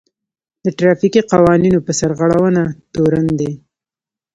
د ټرافيکي قوانينو په سرغړونه تورن دی.